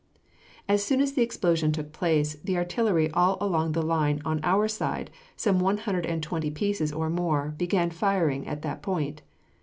As soon as the explosion took place, the artillery all along the line on our side, some one hundred and twenty pieces or more, began firing at that point.